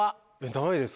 ないです